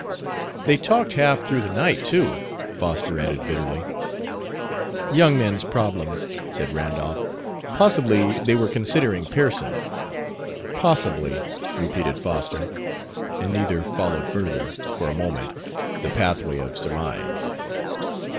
"They talked half through the night, too," Foster added bitterly. "Young men's problems," said Randolph. "Possibly they were considering Pearson." "Possibly," repeated Foster; and neither followed further, for a moment, the pathway of surmise.